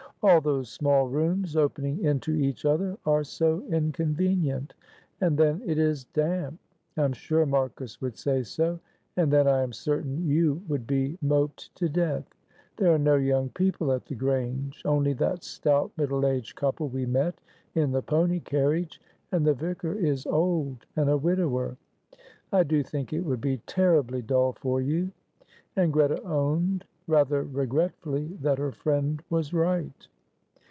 All those small rooms opening into each other are so inconvenient. And then it is damp. I am sure Marcus would say so; and then I am certain you would be moped to death. There are no young people at the Grange. Only that stout, middle aged couple we met in the pony carriage, and the vicar is old and a widower. I do think it would be terribly dull for you." And Greta owned rather regretfully that her friend was right.